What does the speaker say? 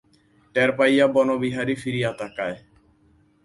টের পাইয়া বনবিহারী ফিরিয়া তাকায়।